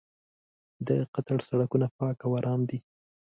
د قطر سړکونه پاک او ارام دي.